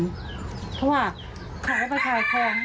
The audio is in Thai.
เพราะว่าเขาก็ไปค่ายคลอง